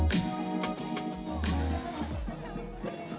mereka juga memasaknya dengan kembang yang terbaik